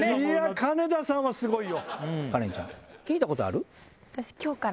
金田さんはすごいよ。